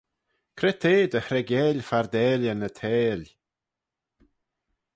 Cre t'eh dy hreigeil fardailyn y theihll?